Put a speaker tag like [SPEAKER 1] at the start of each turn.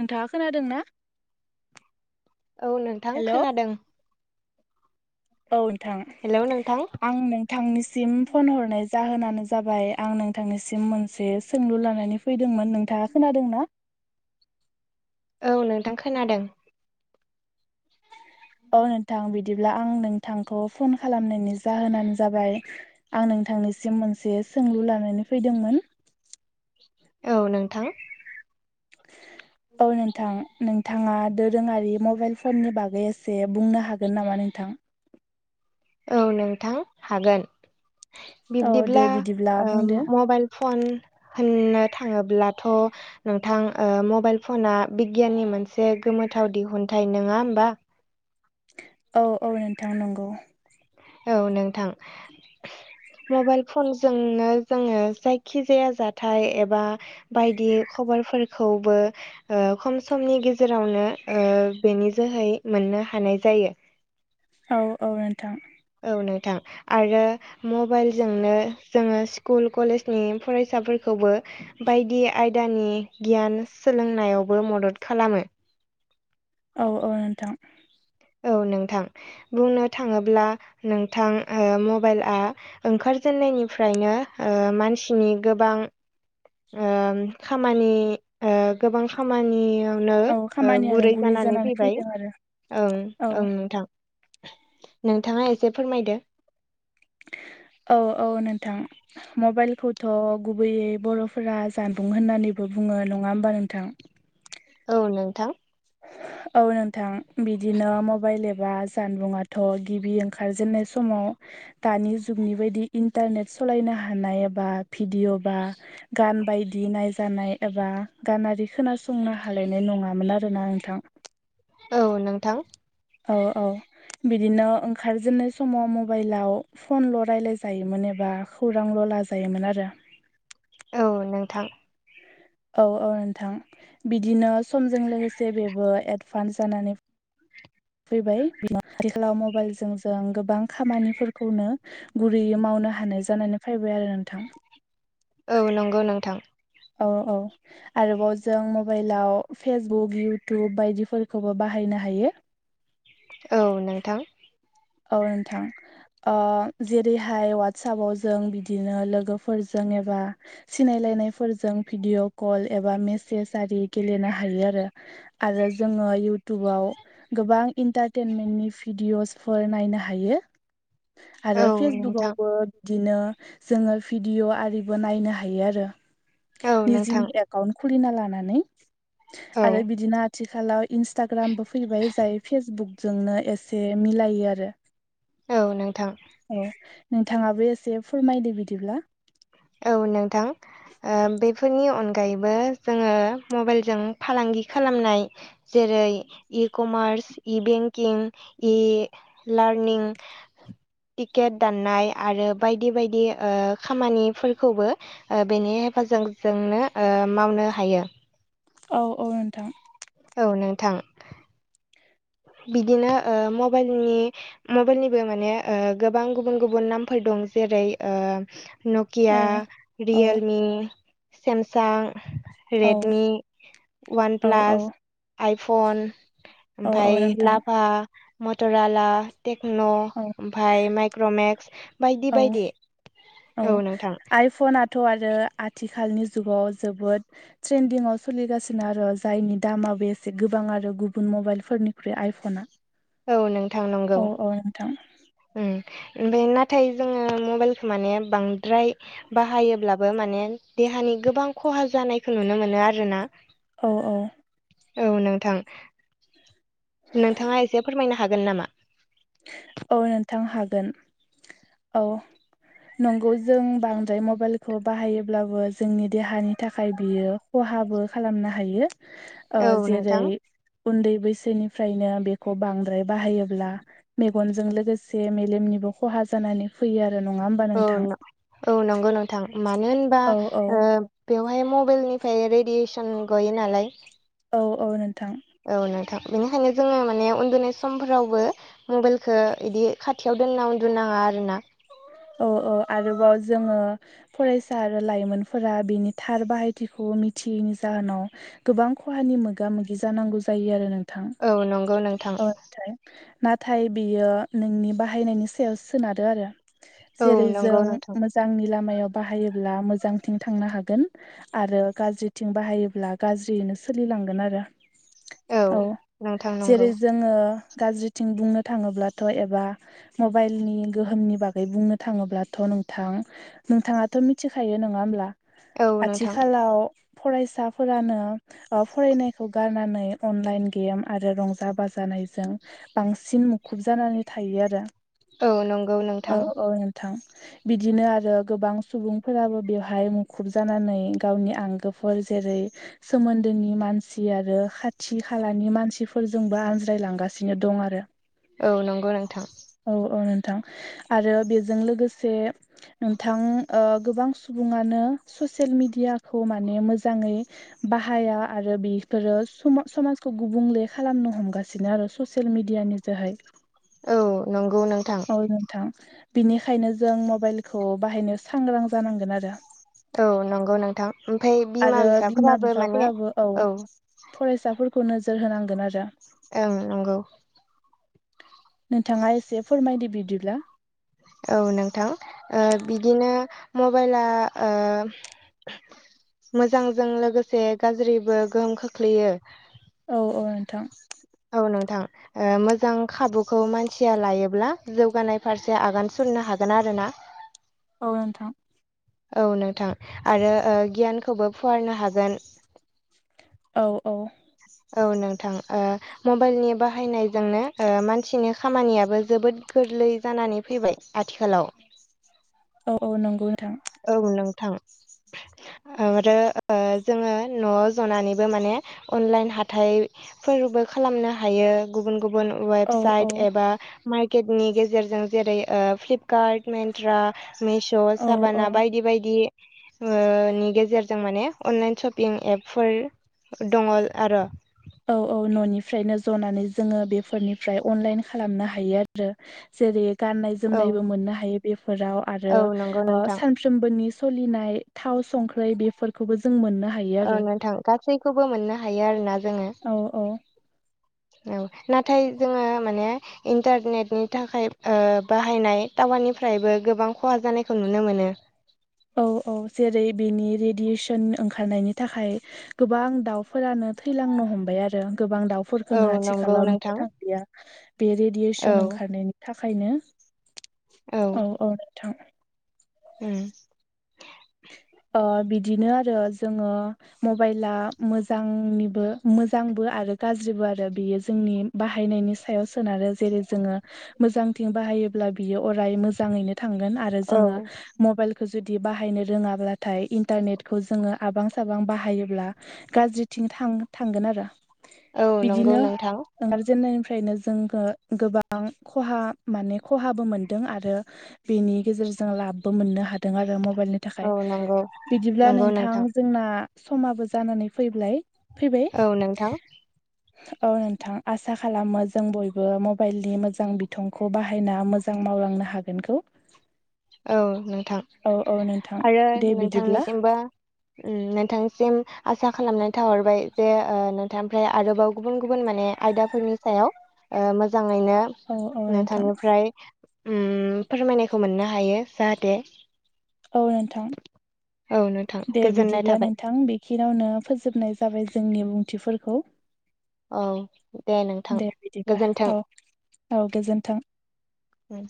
[SPEAKER 1] नोंथाङा खोनादों ना
[SPEAKER 2] औ नोंथां
[SPEAKER 1] हेलौ
[SPEAKER 2] खोनादों
[SPEAKER 1] औ नोंथां
[SPEAKER 2] हेलौ नोंथां
[SPEAKER 1] आं नों थांनिसिम फन हरनाय जाहोनानो जाबाय आं नोंथांनिसिम मोनसे सोंलु लानानै फ फैदोंमोन नोंथाङा खोनादों नना
[SPEAKER 2] औ नोंथां खोनादों
[SPEAKER 1] औ नोंथां बिदिब्ला आं नोंथांखौ फन खालामनायनि जाहोनानो जाबाय आं नोंथांनिसिम मोनसे सोंलु लानानै फैदोंमोन
[SPEAKER 2] औ नोंथां
[SPEAKER 1] औ नोंथां नोंथां नोंथाङा दोरोङारि मबाइल फननि बागै एसे बुंनो हागोन नामा नोंथां
[SPEAKER 2] औ नोंथां हागोन
[SPEAKER 1] औ दे
[SPEAKER 2] बिब्दिब्ला
[SPEAKER 1] बिदिब्ला बुंदो
[SPEAKER 2] मबाइल फन होननो थाङोब्लाथ' नोंथां मबाइल फना बिगियाननि मोनसे गोमोथाव दिहुनथाइ नङा होम्बा
[SPEAKER 1] औ औ नोंथां नंगौ
[SPEAKER 2] औ नोंथां मबाइल फनजोंनो जोङो जायखिजाया जाथाय एबा बायदि खबरफोरखौबो खम समनि गेजेरावनो बेनि जोहै मोननो हानाय जायो
[SPEAKER 1] औ औ नोंथां
[SPEAKER 2] औ नोंथां आरो मबाइलजोंनो जोङो स्कुल कलेजनि फरायसाफोरखौबो बायदि आयदानि गियान सोलोंनायावबो मदद खालामो
[SPEAKER 1] औ औ नोंथां
[SPEAKER 2] औ नोंथां बुंनो थाङोब्ला नोंथां मबाइलआ ओंखार गोजेननायनिफ्रायनो मानसिनि गोबां ओ खामानि ओ गोबां खामानियाव नो
[SPEAKER 1] औ
[SPEAKER 2] ओ
[SPEAKER 1] खामानियानो
[SPEAKER 2] गुरै जानानै फैबाय
[SPEAKER 1] फैदों आरो
[SPEAKER 2] ओं
[SPEAKER 1] औ
[SPEAKER 2] ओं नोंथां नोंथाङा एसे फोरमायदो।
[SPEAKER 1] औ औ नोंथां मबाइलखौथ' गुबैयै बर'फोरा जानबुं होननानैबो बुङो नङा होम्बा नोंथां
[SPEAKER 2] औ नोंथां
[SPEAKER 1] औ नोंथां बिदिनो मबाइल एबा जानबुंङाथ' गिबि ओंखारजेननाय समाव दानि जुगनि बायदि इन्टारनेट सालायनो हानाय एबा भिडिअ' बा गान बायदि नायजानाय एबा गानारि खोनासंनो हालायनाय नङामोन आरो। आरोना नोंथां।
[SPEAKER 2] औ नोंथां
[SPEAKER 1] औ औ बिदिनो ओंखारजेननाय समाव मबाइलाव फनल' राय्लाय जायो। मोन एबा खौरांल' लाजायोमोन आरो।
[SPEAKER 2] औ नोंथां
[SPEAKER 1] औ औ नोंथां बिदिनो समजों लोगोसे बेबो एडभान्स जानानै फैबाय आथिखालाव मबाइलजों जों गोबां खामानिफोरखौनो गुरैयै मावनो हानाय जानानै फैबाय आरो नोंथां।
[SPEAKER 2] औ नंगौ नोंथां।
[SPEAKER 1] औ औ आरोबाव जों मबाइलाव फेसबुक इउटुब बायदिफोर खौबो बाहायनो हायो।
[SPEAKER 2] औ नोंथां।
[SPEAKER 1] औ नोंथां ओं जेरैहाय वाटसाब जों बिदिनो लोगोफोरजों एबा सिनायलायनायफोरजों भिडिअ' कल एबा मेसेज आरि गेलेनो हायो आरो। आरो जोङो इयउटुबाव गोबां इन्टारटेनमेन्टनि भिडिअस फोर नायनो हायो आरो
[SPEAKER 2] औ नोंथां
[SPEAKER 1] फेसबुकआवबो। बिदिनो जोङो भिडिअ' आरिबो नायनो हायो आरो
[SPEAKER 2] औ नोंथां
[SPEAKER 1] निजनि एप एकाउन्ट खुलिना लानानै
[SPEAKER 2] औ
[SPEAKER 1] आरो बिदिनो आथिखालाव इन्सटाग्रामबो फैबाय जाय फेसबुकजोंनो एसे मिलायो आरो।
[SPEAKER 2] औ नोंथां
[SPEAKER 1] अ नोंथाङाबो एसे फोरमायदो बिदिब्ला
[SPEAKER 2] औ नोंथां। ओ बेफोरनि अनगायैबो जोङो मबाइलजों फालांगि खालामनाय जेरै E commerce E banking E learning ticket दाननाय आरो बायदि बायदि ओ खामानि फोरखौबो ओ बेनि हेफाजाबजोंनो ओ मावनो हायो।
[SPEAKER 1] औ औ नोंथां।
[SPEAKER 2] औ नोंथां। बिदिनो ओ मबाइलनि मबाइलनिबो माने ओ गोबां गुबुन गुबुन नामफोर दं जेरै ओ नकिया
[SPEAKER 1] औ औ
[SPEAKER 2] रियेलमि सेमसां
[SPEAKER 1] औ
[SPEAKER 2] रेडमि वान
[SPEAKER 1] औ
[SPEAKER 2] प्लास
[SPEAKER 1] औ
[SPEAKER 2] आइफन
[SPEAKER 1] औ औ
[SPEAKER 2] ओमफफ्राय
[SPEAKER 1] नोंथां
[SPEAKER 2] लाभा मटर आला टेक्न'
[SPEAKER 1] औ
[SPEAKER 2] ओमफफ्राय माइक्र'मेक्स बायदि
[SPEAKER 1] औ
[SPEAKER 2] बायदि औ नोंथां।
[SPEAKER 1] फनाथ' आरो आथिखालनि जुगाव जोबोद ट्रेन्दिंआव सोलिगासिनो आरो जायनि दामाबो एसे गोबां आरो गुबुन मबाइलफोरनिख्रुइ आइफना
[SPEAKER 2] औ नोंथां नंगौ।
[SPEAKER 1] औ औ नोंथां
[SPEAKER 2] ओमफ्राय नाथाय जोङो मबाइलखौ माने बांद्राय बाहायोब्लाबो माने देहानि गोबां खहा जानायखौ नुनो मोनो आरोना।
[SPEAKER 1] औ औ
[SPEAKER 2] औ नोंथां। नोंथाङा एसे फोरमायनो हागोन नामा?
[SPEAKER 1] औ नोंथां हागोन औ। नंगौ जों बांद्राय मबाइल खौ बाहायोब्लाबो जोंनि देहानि थाखाय बियो खहाबो खालामनो हायो।
[SPEAKER 2] औ नोंथां
[SPEAKER 1] जेरै उन्दै बैसोनिफ्रायनो बेखौ बांद्राय बाहायोब्ला मेगनजों लोगोसे मेलेमनिबो खहा जानानै फैयो आरो नङा होमबा
[SPEAKER 2] औ
[SPEAKER 1] नोंथां।
[SPEAKER 2] न- औ नंगौ नोंथां मानो होनबा
[SPEAKER 1] औ औ
[SPEAKER 2] बेवहाय मबाइलनिफ्राय रेडियेसन गयो नालाय
[SPEAKER 1] औ औ नोंथां।
[SPEAKER 2] औ नोंथां बेनिखायनो जोङो माने उन्दुनाय समफोरावबो मबाइलखौ इदि खाथियाव दोनना उन्दुनाङा आरोना।
[SPEAKER 1] औ औ आरोबाव जोङो। फरायसा आरो लाइमोनफोरा बिनि थार बाहायथिखौ मिथियैनि जाहोनाव गोबां खहानि मोगा मोगि जानांगौ जायो आरो नोंथां
[SPEAKER 2] औ नंगौ नोंथां
[SPEAKER 1] नाथाय। नाथाय बियो नोंनि बाहायनायनि सायाव सोनारो आरो।
[SPEAKER 2] औ
[SPEAKER 1] जेरै
[SPEAKER 2] नंगौ
[SPEAKER 1] जों
[SPEAKER 2] नोंथां
[SPEAKER 1] मोजांनि लामायाव बाहायोब्ला मोजांथिं थांनो हागोन। आरो गाज्रिथिं बाहायोब्ला गाज्रियैनो सोलिलांगोन आरो। औ
[SPEAKER 2] नोंथां
[SPEAKER 1] जेरै
[SPEAKER 2] नंगौ
[SPEAKER 1] जोङो गाज्रिथिं बुंनो थाङोब्लाथ' एबा मबाइलनि गोहोमनि बागै फ्राय बुंनो थाङोब्लाथ' नोंथां नोंथाङाथ' मिथिखायो नङा होमब्ला
[SPEAKER 2] औ नोंथां
[SPEAKER 1] आथिखालाव फरायसाफोरानो फरायनायखौ गारनानै अनलाइन गेम आरो रंजा बाजानायजों बांसिन मुखुब जानानै थायो आरो।
[SPEAKER 2] औ नंगौ नों
[SPEAKER 1] औ औ नोंथां। बिदिनो आरो गोबां सुबुंफोराबो बेवहाय मुखुब जानानै गावनि आंगोफोर जेरै सोमोन्दोनि मानसि खासि आरो खाथि खालानि मानसिफोरजोंबो आनज्रायलांगासिनो दं आरो।
[SPEAKER 2] औ नंगौ नोंथां।
[SPEAKER 1] औ औ नोंथां आरो बेजों लोगोसे नोंथां गोबां सुबुङानो ससियेल मिडियाखौ माने मोजाङै बाहाया आरो बे फोरो सम समाजखौ गुबुंले खालामनो हमगासिनो आरो ससियेल मेडिया नि जोहाय
[SPEAKER 2] औ। नंगौ न
[SPEAKER 1] औ नोंथां बिनिखायनो जों मबाइलखौ बाहायनो सांग्रां जानांगोन आरो।
[SPEAKER 2] औ नंगौ नोंथां ओमफ्राय बिमा बिफाफोराबो माने औ।
[SPEAKER 1] फरायसाफोरखौ नोजोर होनांगोन आरो।
[SPEAKER 2] ओं नंगौ।
[SPEAKER 1] नोंथाङा एसे फोरमायदो बिदिब्ला
[SPEAKER 2] औ नोंथां बिदिनो मबाइला मोजांजों लोगोसे गाज्रिबो गोहोम खोख्लैयो।
[SPEAKER 1] औ औ नोंथां।
[SPEAKER 2] औ नोंथां। मोजां खाबुखौ मानसिया लायोब्ला जौगानाय फारसे आगान सुरनो हागोन आरो ना। [inaudible]
[SPEAKER 1] औ नोंथां।
[SPEAKER 2] औ नोंथां आरो गियानखौबो फुवारनो हागोन।
[SPEAKER 1] औ औ।
[SPEAKER 2] औ नोंथां ओ मबाइलनि बाहायनायजोंनो ओ मानसिनि खामानियाबो जोबोद गोरलै जानानै फैबाय। आथिखालाव
[SPEAKER 1] औ औ नंगौ नोंथां।
[SPEAKER 2] औ नोंथां। आरो ओ जोङो न'आव जनानैबो माने अनलाइन हाथाइ फोरबो खालामनो हायो गुबुन गुबुन
[SPEAKER 1] औ औ
[SPEAKER 2] वेबसाइट एबा माइक केटनि गेजेरजों जेरै ओ फ्लिपकार्ट मेन्ट्रा मिश'
[SPEAKER 1] औ औ
[SPEAKER 2] साबाना बायदि बायदि ओ नि गेजेरजों माने अनलाइन शपिं एपफोर दङ आर'।
[SPEAKER 1] औ औ न'निफ्रायनो जनानै जोङो बेफोरनिफ्राय अनलाइन खालामनो हायो आरो। जेरै गान्नाय
[SPEAKER 2] औ
[SPEAKER 1] जोमनायबो मोननो हायो बेफोराव आरो
[SPEAKER 2] औ
[SPEAKER 1] ओ
[SPEAKER 2] नंगौ
[SPEAKER 1] सान
[SPEAKER 2] नोंथां
[SPEAKER 1] सानफ्रोमबोनि सलिनाय थाव संख्रै बेफोरखौबो जों मोननो हायो आरो
[SPEAKER 2] ओं नोंथां गासैखौबो मोननो हायो आरो ना जोङो।
[SPEAKER 1] औ औ
[SPEAKER 2] ओं नाथाय जोङो माने इन्टारनेटनि थाखाय ओ बाहायनाय टावारनिफ्रायबो गोबां खहा जानायखौ नुनो मोनो।
[SPEAKER 1] औ औ जेरै बेनि रेडियसन ओंखारनायनि थाखाय गोबां दाउफोरानो थैलांनो हमबाय आरो गोबां
[SPEAKER 2] औ
[SPEAKER 1] दाउफोरखौनो
[SPEAKER 2] नंगौ
[SPEAKER 1] आथिखालाव
[SPEAKER 2] नोंथां
[SPEAKER 1] नुनो थां लिया बे
[SPEAKER 2] औ
[SPEAKER 1] रेडियसन ओंखारनायनि थाखायनो। औ औ। थां
[SPEAKER 2] ओम
[SPEAKER 1] ओ बिदिनो आरो जोङो मबाइला मोजांनिबो मोजांबो आरो गाज्रिबो आरो बेयो जोंनि बाहायनायनि सायाव सोनारो जेरै जोङो मोजांथिं बाहायोब्ला बियो अराय मोजाङैनो थांगोन आरो
[SPEAKER 2] औ
[SPEAKER 1] जोङो मबाइलखौ जुदि बाहायनो रोङाब्ला थाय इन्टारनेटखौ जोङो आबां साबां बाहायोब्ला गाज्रिथिं थां-थांगोन आरो।
[SPEAKER 2] औ नंगौ
[SPEAKER 1] बिदिनो
[SPEAKER 2] नोंथां
[SPEAKER 1] ओंखारजेननायनिफ्रायनो जोंङो गोबां खहा माने खहाबो मोनदों आरो बेनि गेजेरजों लाबबो मोननो हादों आरो मबाइलनि
[SPEAKER 2] औ
[SPEAKER 1] थाखाय
[SPEAKER 2] नोंगौ।
[SPEAKER 1] बिदिब्ला नोंथां जोंना समाबो जानानै फैब्लाय। फैबाय।
[SPEAKER 2] औ नोंथां
[SPEAKER 1] औ नोंथां आसा खालामो जों बयबो मबाइलनि मोजां बिथंखौ बाहायना मोजां मावलांनो हागोनखौ।
[SPEAKER 2] औ नोंथां
[SPEAKER 1] औ औ नोंथां
[SPEAKER 2] आरो
[SPEAKER 1] दे बिदिब्ला
[SPEAKER 2] नोंथांनिसिमबो उम नोंथांसिम आसा खालामनाय थाहरबाय जे ओ नोंथांनिफ्राय आरोबाव गुबुन गुबुन माने आयदाफोरनि सायाव ओ मोजाङैनो
[SPEAKER 1] औ औ नोंथां
[SPEAKER 2] नोंथांनिफ्राय उम फोरमायनायखौ मोननो हायो जाहाथे
[SPEAKER 1] औ नोंथां
[SPEAKER 2] औ नोंथां
[SPEAKER 1] दे
[SPEAKER 2] गोजोननाय
[SPEAKER 1] बिदिब्ला
[SPEAKER 2] थाबाय
[SPEAKER 1] नोंथां बे खिनियावनो फोजोबनाय जाबाय जोंनि बुंथिफोरखौ।
[SPEAKER 2] औ। दे नोंथां
[SPEAKER 1] दे बिदिब्ला
[SPEAKER 2] गोजोन्थों।
[SPEAKER 1] औ औ गोजोन्थों।
[SPEAKER 2] ओम।